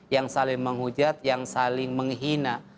yang saling menghujat yang saling menghina